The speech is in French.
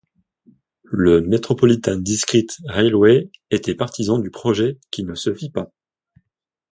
Le Metropolitan District Railway était partisan du projet qui ne se fit pas.